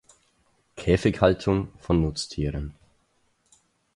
Käfighaltung von Nutztieren.